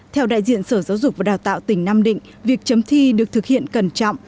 theo đại diện sở giáo dục và đào tạo tỉnh nam định việc chấm thi được thực hiện cẩn trọng